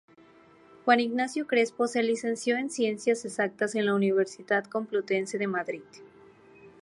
Juan Ignacio Crespo se licenció en Ciencias Exactas en la Universidad Complutense de Madrid.